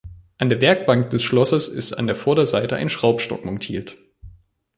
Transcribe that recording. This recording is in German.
An der Werkbank des Schlossers ist an der Vorderseite ein Schraubstock montiert.